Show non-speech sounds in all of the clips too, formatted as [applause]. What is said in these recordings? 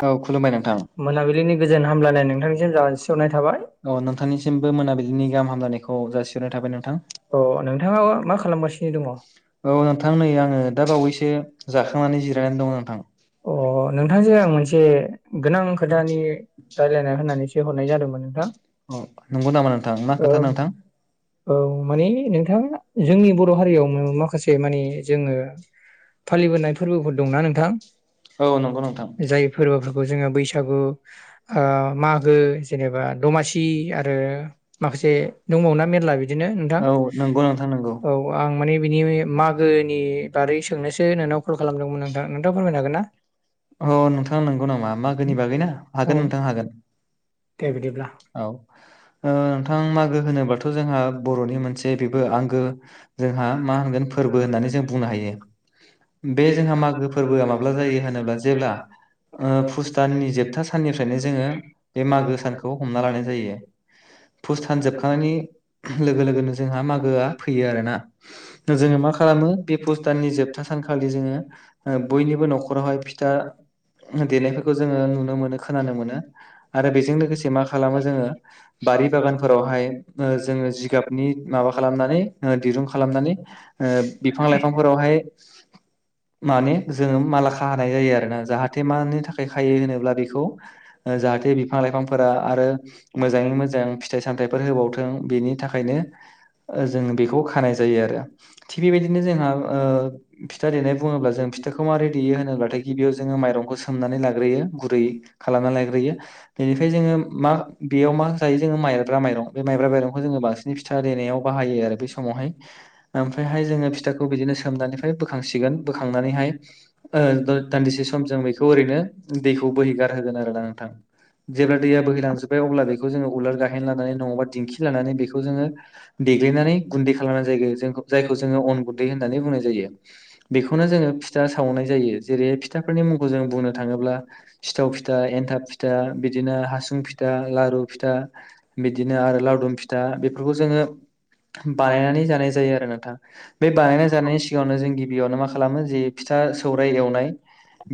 औ नोंथां मोनाबिलिनि गोजोन हामलायनाय नोंथांनिसिम जासिहरनाय थाबाय औ नोंथांनिसिमबो मोनाबिलिनि गाहाम हामलायनायखौ जासिहरनाय थाबाय नोंथां अ नोंथाङा मा खालामगासिनो दङ औ नोंथां नै आङो दा बावैसो जाखां नानै जिरायनानै दङ नोंथाङा। अ नोंथांजों आं मोनसे गोनां खोथानि रायलायना होननानैसो हरनाय जादोंमोन नोंथां। औ नंगौ नामा नोंथां मा औ खोथा नोंथां? औ माने नोंथां जोंनि बर' हारियावनो माखासे माने जोङो फालिबोनाय फोरबोफोर दंना नोंथां? औ नंगौ नोंथां जाय फोरबोफोरखौ जोङो बैसागु ओ मागो जेनेबा दमासि आरो माखासे दंबावोना मेरला बिदिनो नोंथां औ नंगौ नोंथां नंगौ औ आं माने बिनि मागोनि बारै सोंनोसो नोंनाव कल खालामदोंमोन नोंथां नोंथाङा फोरमायनो होगोन ना अ नोंथां नोंगौ नामा मागोनि बागैना औ हागोन नोंथां हागोन दे बिदिब्ला। औ नोंथां मागो होनोबाथ' जोंहा बर' बर'नि मोनसे बेबो आंगो जोंहा मा होनगोन फोरबो होननानै जों बुंनो हायो बे जोंहा मागो फोरबोआ माब्ला जायो होनोब्ला जेब्ला ओ पुस दाननि जोबथा साननिफ्रायनो जोङो बे मागो सानखौ हमना लानाय जायो। पुस्ट दान जोबखांनायनि लोगो लोगोनो जोंहा मागोआ फैयो आरोना जोङो मा खालामो बे पुस्त दाननि जोब खालि जोङो बयनिबो न'खरावहाय फिथा देनायफोरखौ जोङो नुनो मोनो खोनानो मोनो आरो बेजों लोगोसे मा खालामो जोङो बारि बागान फोरावहाय जोंनि माबा खालामनानै दिरुं खालामनानै बिफां लाइफांफोरावहाय [inaudible] माने जोङो माला खाहानाय जायो आरो ना जाहाथे मानि थाखाय खायो होनोब्ला बेखौ जाहाथे बिफां लाइफांफोरा आरो मोजाङै मोजां फिथाइ सामथायइफोर होबावथों बेनि बेनि थाखायनो जों बेखौ खानाय जायो आरो थिग बेबायदिनो जोंहा फिथा देनाय बुङोब्ला जों फिथाखौ माबै देयो होनोब्लाथाय गिबियाव जोङो माइरंखौ सोमनानै लाग्रोयो गुरै खालामना लायग्रोयो बेनिफ्राय जोङो मा बेयाव मा होजायो जोङो माइब्रा माइरं बे माइब्रा माइरं बेखौ जों बांसिनै फिथा देनायाव बाहायो आरो बै समावहाय औमफ्रायहाय जों फिथाखौ बिदिनो सोमनानै बोखांसिगोन बोखांनानैहाय दान्दिसे सम जों बेखौ ओरैनो दैखौ बोहैगोन गार होगोन आरो ना नोंथां जेब्ला दैआ बोहैलांजोबबाय अब्ला बेखौ जों उलार गाहेन लानानै दिंखि नानै बेखौ जोङो देग्लिनानै गुन्दै खालामनानै जायो जों जायखौ जोङो अन गुन्दै होननानै बुंनाय जायो बेखौनो जोङो फिथा सावनाय जायो जेरै फिथाफोरनि मुंखौ जों बुंनो थाङोब्ला सिथाव फिथा एन्थाब फिथा बिदिनो हासुं फिथा लारु फिथा बिदिनो आरो लावदुम फि दा बेफोरखौ जोङो बानायनानै जानाय जायो आरो नोंथां बे बानायना जानायनि सिगाङावनो जों गिबियावनो मा खालामो जे फिथा सौराइ एवनाय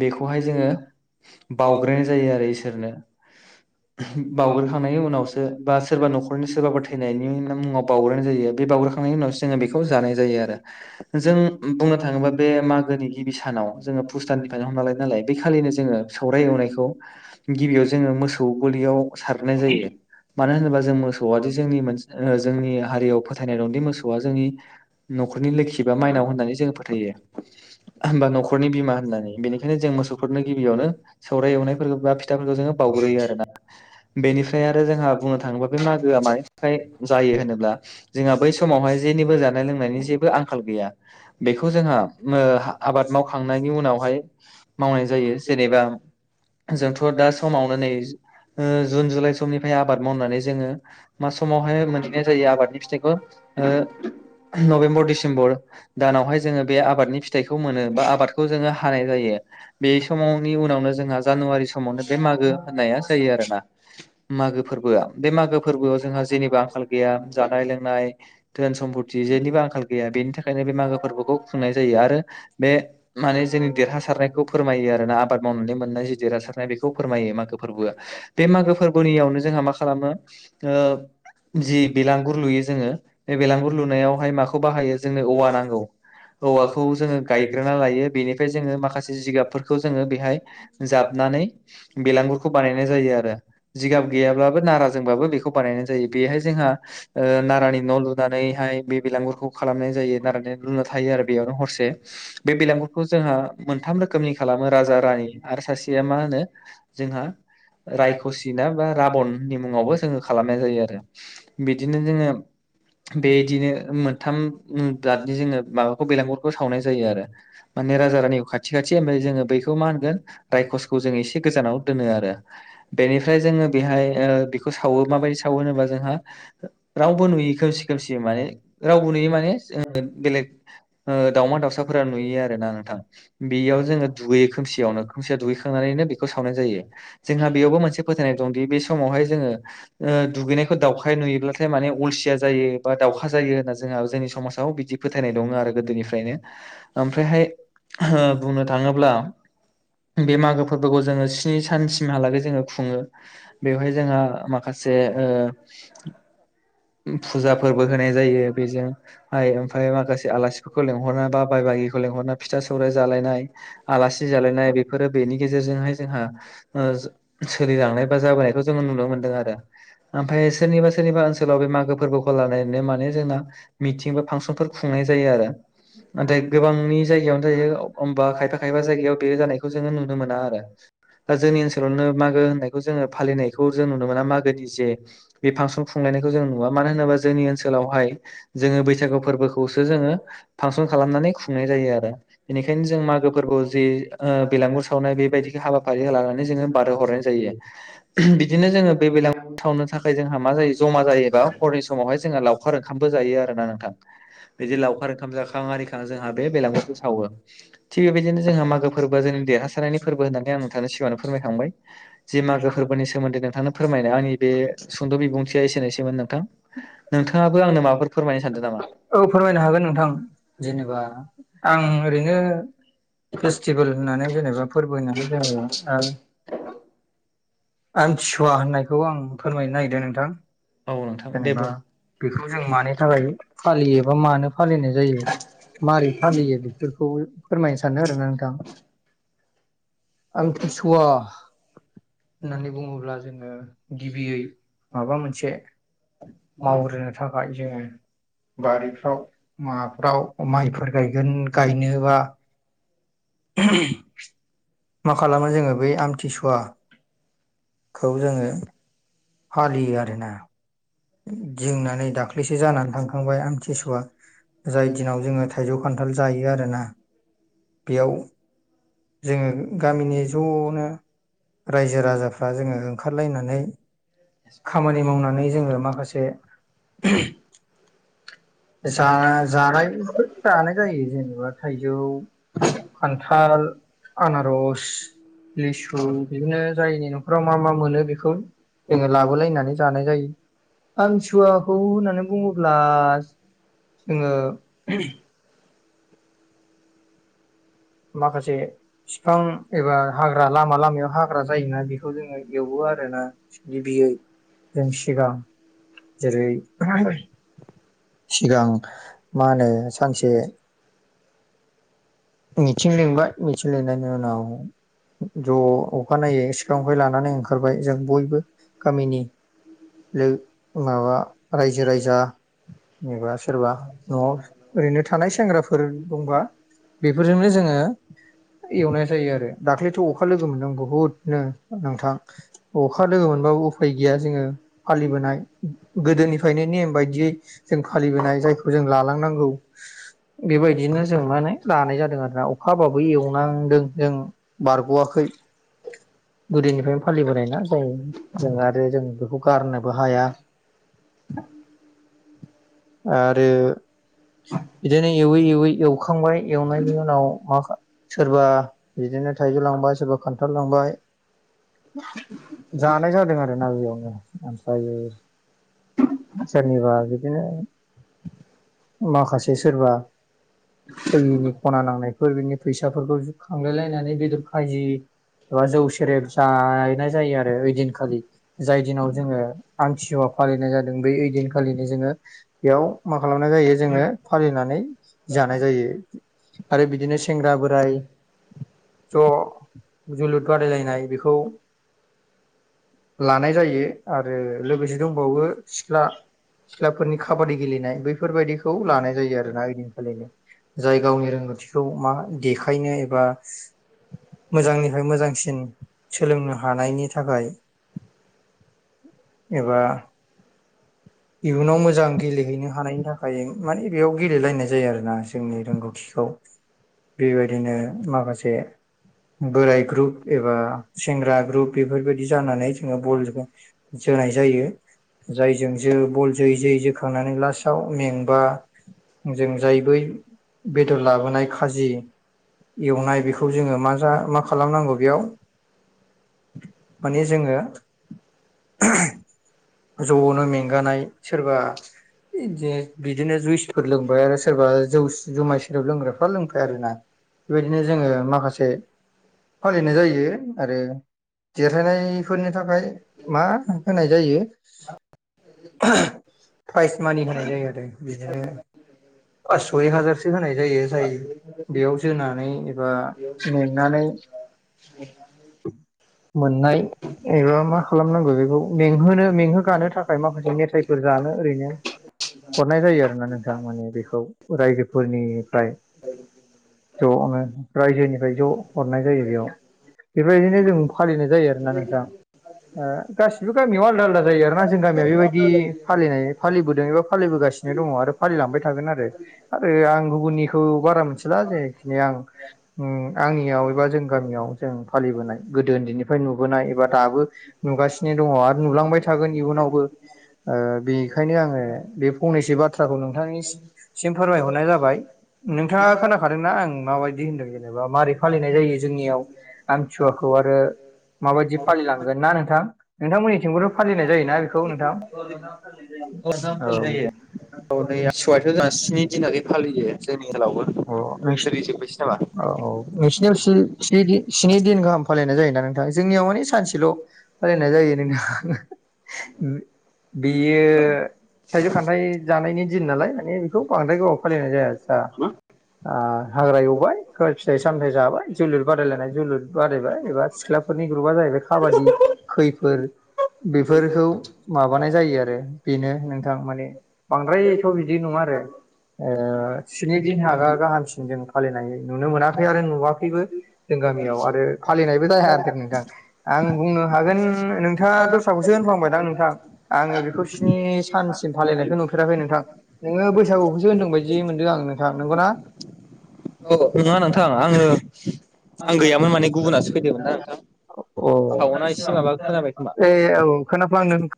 बेखौहाय जोङो बावग्रोनाय जायो आरो इसोरनो बावउग्रोखांनायनि उनावसो बा सोरबा न'खरनि सोरबाबा थायैनायनि मुङाव बावग्रोनाय जायो बे बावग्रोखांनायनि उनावसो जोङो बेखौ जानाय जायो आरो जों बुंनो थाङोबा बे मागोनि गिबि सानाव जोङो भुस्ताननिफ्रायनो हमनालायो नालाय बे खालिनो जोङो सौराय एवनाय नायखौ गिबियाव जोङो मोसौ गलियाव सारनाय जायो मानो होनोबा जों मोसौ आ जोंनि मोनस ओ जोंनि हारियाव फोथायनाय दंदि मोसौआ जोंनि न'खरनि लोखि बा माइनाव होन्नानै जों फोथायो। होमबा न'खरनि बिमा होन्नानै बेनिखायनो जों मोसौफोरनो गिबियावनो सौराय एवनायफोरखौ बा फिथाफोरखौ जोङो बावग्रोयो आरो ना बेनिफ्राय आरो जोंहा बुंनो थाङोबा बे मागोआ मा जायो होनोब्ला जोंहा बै समावहाय जेनिबो जानाय लोंनायनि जेबो आंखाल गैया बेखौ जोंहा मो हबाद मावखांनायनि उनावहाय मावनाय जायो जेनेबा जोंथ' दा समावनो नै ओ जुन जुलाइ समनिफ्राय आबाद मावनानै जोङो मा समावहाय मोनहनाय जायो आबादनि फिथाइखौ ओ नभेम्बर दिसेम्बर दानावहाय जोङो बे आबादनि फिथाइखौ मोनो बा आबादखौ जोङो हानाय जायो बे समावनि उनावनो जोंहा जानुवारि समावनो बे मागो होन्नाया जायो आरोना मागो फोरबोआ बे मागो फोरबोआव जोंहा जेनिबो आंखाल गैया जानाय लोंनाय धोन सम्फथि जेनिबो आंखाल गैया बेनि थाखायनो बे मागो फोरबोखौ खुंनाय जायो आरो बे माने जोंनि देरहासारनायखौ फोरमायो आरोना आबाद मावनानै मोन्नायजि देरहासारनाय बेखौ फोरमायो मागो फोरबोआ बे मागो फोरबोनियावनो जोंहा मा खालामो ओ जि बेलांगुर लुयो जोङो बे बेलांगुर लुनायावहाय माखौ बाहायो जोङो औवा ना [inaudible] औवाखौ जोङो गायग्रोना लायो बेनिफ्राय जोङो माखासे जिगाबफोरखौ जोङो बेहाय जाबना नै बेलागुरखौ बानायनाय जायोआरो जिगाब गैयाब्लाबो नाराजोंबाबो बेखौ बानायनाय जायो बेहाय जोंहा ओ नारानि न' लुनानैहाय बे बेलगुरखौ खालामनाय जायो नारानि [unintelligible] थायो आरो बेयावनो हरसे बे बेलेंगुरखौ जोंहा मोनथाम रोखोमनि खालामो राजा रानि आरो सासेया मा होनो जोंहा रायखसिना बा राबननि मुङावबो जोङो खालाम नाय जायो आरो बिदिनो जोङो बेदिनो मोनथाम [unintelligible] [unintelligible] जोङो माबाखौ बेलगुरखौ सावनाय जायो आरो माने राजा रानि खाथि खाथि ओमफ्राय जोङो बैखौ मा होनगोन रायखसखौ जों एसे गोजानाव दोनो आरो बेनिफ्राय जोङो बेहाय ओ बेखौ सावो माबायदि सा साव होनोबा जोंहा रावबो नुयै खोमसि खोमसि माने रावबो नुयि माने ज बेलेग ओ दावमा दाउसाफोरा नुयो आरो ना नोंथां बेयाव जोङो दुगैयो खोमसियाव खोमसिआव दुैखांनानैनो बेखौ सावनाय जायो जोंहा बेयावबो मोनसे फोथायनाय दंदि बे समावहाय जोङो ओ दुगैनायखौ दाउख नुयोब्लाथाय माने अलसिया जायो बा दाउखा जायो होन्ना जोंहा जोंनि समास आव बिदि फोथायनाय दङ आरो गोदोनिफ्रायनो ओमफ्रायहाय ओ बुंनो थाङोब्ला बे मागो फोरबोखौ जोङो स्नि सानसिमहालागै जोङो खुङो बेवहाय जोंहा मा माखासे ओ फुजा फोरबो होनाय जायो बेजों आइ ओमफ्राय माखासे आलासिफोरखौ लिंहरना बा बाय बागिखौ लेंहरना फिथा सौर जालायनाय आलासि जालायनाय बेफोरो बेनि गेजेरजोंहाय जोंहा ओ सोलिलांनाय बा जाबोनायखौ जोङो नुनो मोन दों आरो ओमफाय सोरनिबा सोरनिबा ओनसोलाव बे मागो फोरबोखौ लानानै माने जों मि [unintelligible] फांसनफोर खुंनाय जायो आरो नाथाय गोबांनि जायगायावनो थायो अमबा खायफा खायफा जायगायाव बे जानायखौ जोङो नुनो मोना आरो। दा जोंनि ओनसोलावनो मागो होननायखौ जोङो फालिनायखौ जों [unintelligible] मागोनि जे बे फांसन खुंलायनायखौ जों नुवा मानो होनोबा जोंनि ओनसैलावहाय जोङो बैसागु फोरबोखौसो जोङो फांसन खालामनानै खुंनाय जायो आरो बेनिखायनो जों मागो फोरबो जे ओ बेलागुर सावनाय बे बायदिखो हाबा फारिहा लानानै जोङो बारहो हरनाय जायो बिदिनो जोङो बे [unintelligible] थाखाय जोंहा मा जायो जमा जायोबा हरनि समावहाय जोंहा लावखार ओंखामबो जायो आर [unintelligible] नोंथां बिदि लावखार ओंखाम जाखां आरिखां जोंहा बे बेलांगुरखौ सावो थिग बेबायदिनो जों जोंहा मागो फोरबोआ जोंनि देरहासारनि फोरबो होन्नानै आं नोंथांनि सिगाङावनो फोरायांबाय जि मागो फोरबोनि सोमोन्दै नोंथां नों फोरमायनाय आंनि बे सुंद' बिबुंथिया एसेनोसैमोन नोंथां नोंथाङाबो आंनो माबाफोर। फोरमायनो सानदों नामा औ फोरमायनो हागोन नोंथां जेनेबा आं ओरैनो। फेस्टिभेल होननानै जेनेबा फोरबो होननानै जेनेबा आमथिसुवा होननायखौ आं फोरमायनो नागिरदों नोंथां। औ नोंथां दे जेनेबा बुं। बेखौ जों मानि थाखाय फालियोबा मानो फालिनाय जायो माबारै फालियो बेफोरखौ फोरमायनो सानो आरोना नोंथां। आमथिसुआस सुवा होननानै बुङोब्ला। जोङो गिबियै माबा मोनसे मावग्रोनो थाखाय जोङो। बारिफ्राव माबाफ्राव माइफोर गायगोन गायनोबा। मा खालामो जोङो बै आमथिसुवा। खौ जोङो फालियो आरोना। गिंनानै दाख्लैसो जानानै थांखांबाय आमथिसुवा। जाय दिनाव जोङो थाइजौ खान्थाल जायो आरोना बेयाव। जोङो गामिनि ज'नो रायजो राजाफ्रा जोङो ओंखारलायनानै खामानि मावनानै जोङो [unintelligible] माखासे जा जानायफोर जानाय जायो जेनेबा थाइजौ। खान्थाल आनारस। लिसु बिदिनो जायनि न'खराव मा मा मोनो बेखौ। जोङो लाबोलायनानै जानाय जायो। आमसुवाखौ होननानै बुङोब्ला जोङो। माखासे बिफां एबा हाग्रा लामा लामायाव हाग्रा जायोना बेखौ जोङो एवो। आरोना गिबियै जों सिगां। जेरै सिगां मा होनो सानसे। मिटिं लिंबाय मिटिं लिंनायनि उनाव ज' अखानायै सिखा खंखाय लानानै ओंखारबाय जों बयबो गामिनि। ओ माबा रायजो राजा जेनेबा सोरबा न'आव ओरैनो थानाय सेंग्राफोर दंबा बेफोरजोंनो जोङो एवनाय जायो आरो दाख्लैथ' अखा लोगो मोनदों बुहुदनो नोंथां। अखा लोगो मोनबाबो उफाय गैया जोङो फालिबोनाय गोदोनिफायनो नेम बायदियै जों फालिबोनाय जायखौ जों लालांनांगौ। बेबायदिनो जों माने लानाय जादों आरोना अखा हाबाबो एवनांदों जों बारग'वाखै। गोदोनिफ्रायनो फालिबोनाय ना। औ जों आरो जों बेफोरखौ गारनोबो हाया। आरो बिदिनो एवै एवै एवखांबाय एवनायनि उनाव माखा सोरबा बिदि बिदिनो थाइजौ लांबाय सोरबा खान्थाल लांबाय। जानाय जादों आरो ना बेयावनो आमफ्रायो सोरनिबा बिदिनो माखासे सोरबा फैयिनि खना नांनायफोर बिनि फैसाफोरखौ खांलाय लायनानै बेदर खाजि एबा जौ सेरेब जानाय जायो आरो ओइ दिनखालि जाय दिनाव जोङो आमथिसु फालिनाय जादों बेै ओइदिनखालिनो जोङो बेयाव मा खालामनाय जायो जोङो फालिनानै जानाय जायो। आरो बिदिनो सेंग्रा बोराय। ज' जोलुर बादायलायनाय बेखौ लानाय जायो आरो लोगोसे दंबावो सिख्ला सिख्लाफोरनि खाबादि गेलेनाय बैफोरबायाददिखौ लानाय जायो आरो ना जाय गावनि रोंगौथिखौ मा देखायनो एबा मोजांनिफ्राय मोजांसिन सोलोंनो हानायनि थाखाय एबा इयुनाव मोजां गेलेहैनो हानायनि थाखाय मानि बेयाव गेलायनाय जायो आरोना जोंनि रोंगौथि बेबायदिनो माखासे बोराय ग्रुप एबा सेंग्रा ग्रुप बेफोरबायदि जानानै ओ बल जोनाय जायो जायजों जो बल जयै जयै जोखांनानै लास्टाव मेंबा जों जाय बै बेदर लाबोनाय खाजि एवनाय बेखौ जोङो मा जा मा खालामनांगौ बेयाव माने जोङो ज'आवनो मेंगानाय सोरबा दि बिदिनो जुइसफोर लोंबाय आरो सोरबा जौ जुमाय सेराव लोंग्राफ्रा लोंबाय आरोना बेबायदिनो जोङो माखासे फालिनाय जायो आरो देरहायानायफोरनि थाखाय मा होनाय जायो प्राइज मानि होनाय जायो आरो बिदिनो पास्स' एक हाजारसो होनायायो। जायो जायो बेयाव जोनानै एबा मेंनानै ए [unintelligible] मोननाय एबा मा खालामनांगौ बेखौ मेंहोनो मेंहो गानो थाखाय माखासे मेथाइफोर जानो ओरैनो [unintelligible] हरनाय जायो आरोना नोंथाङां माने बेखौ अ रायजो फोरनिफ्राय ज' नो रायजोनिफ्राय ज' हरनाय जायो बेयाव बेफोरबायदिनो जों फालिनाय जायो आरोना नोंथां ओ गासिबो गामिआव आलदा आलदा जायो आरो मा जों गामियाव बेबायदि फालिनाय फालिबोदों एबा फालिबोगासिनो दङ आरो फालिलांबाय थागोन आरो आरो आं गुबुननिखौ बारा मोनथिला जेखिनि आं ओम आंनियाव एबा जों गामियाव जों फालिबोनाय गोदो उन्दैनिफ्राय नुबोनाय एबा दाबो नुगासिनो दङ आरो नुलां युनावबो ओ बेनिखायनो आङो बे फंनैसो बाथ्राखौ नोंथांनि सिम फोरमायहरनाय जाबाय। नोंथाङा खोनाखादोंना आं माबायदि होनदों जेनेबा मारै फालिनाय जायो जोंनियाव। आमथिसुवाखौ आरो माबायदि फालिलांगोन ना नोंथां नोंथांमोननिथिंबोथ' फालिनाय जायो। ना बेखौ नोंथां औ औ नै सिवायथ' जोंहा स्नि दिनाखै फालियो जोंनि जोलावबो [unintelligible] औ औ औ नोंसिनियाव स्नि दिन स्नि दिन गाहाम फालिनाय जायोना [unintelligible] जोंनियाव मानि सानसेल' फालिनाय जायो नोंथां। बियो थाइजौ खान्थाइ जानायनि दिन नालाय माने बेखौ बांद्राय गोावाव फालिनाय जाया आस्सा। आ हाग्रा एवबाय फिथाइ सामथाइ जाबाय जोलुर बादायलायनाय जोलुर बादायबाय एबा सिख्लाफोर नि ग्रुबआ जाहैबाय काबादि खैफोरब फोरखौ माबानाय जायो आरो बेनो नोंथां माने बांद्रायथ' बिदि नङा आरो। ओ स्नि दिन हागा गाहामसिन जों फालिनाय नुनो मोनाखै आरो नुवाखैबो। जों गामियाव आरो फालिनायबो जायाखै आरो नोंथां आं बुंनो हागोन नोंथाङा दसे खौसो होनफांबायदां नोंथां आङो बेखौ स' स्नि सानसिम फालिनायखौ नुफेराखै नोंथां नोङो बैसागुखौसो होनदों बायदि मोनदों आं नोंथां नंगौना [inaudible] अ नङा नोंथां आङो आं गैयामोन माने [unintelligible] गुबुनासो फैदोंमोन ना नोंथां औ‌ सावना ए एसे माबा खोनाबाय खोमा औ खोनाफ्लांदों